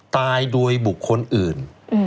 ตายโดยบุคคลอื่น